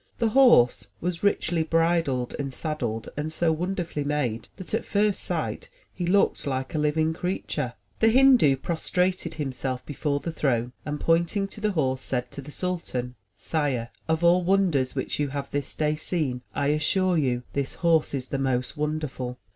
The horse was richly bridled and saddled and so wonderfully made that at first sight he looked like a living creature. The Hindu prostrated him self before the throne, and, pointing to the horse, said to the sultan: Sire, of all wonders which you have this day seen, I assure you this horse is the most wonderful.